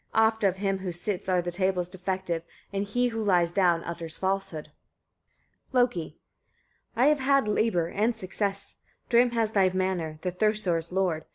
Oft of him who sits are the tales defective, and he who lies down utters falsehood." Loki. 12. "I have had labour and success: Thrym has thy hammer, the Thursar's lord.